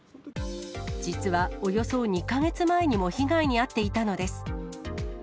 実はおよそ２か月前にも被害に遭っていたのです。